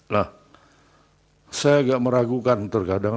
lah saya agak meragukan terkadang